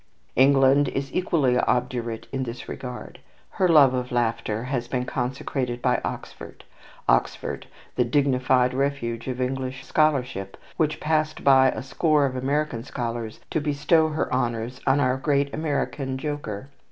England is equally obdurate in this regard. Her love of laughter has been consecrated by Oxford, Oxford, the dignified refuge of English scholarship, which passed by a score of American scholars to bestow her honours on our great American joker.